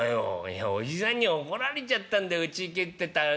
「いやおじさんに怒られちゃったんだようちに帰ってたら。